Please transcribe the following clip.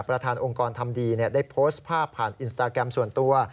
ประธานองค์กรทำดีได้โพสต์ภาพผ่านอินสตาแกรมส่วนตัว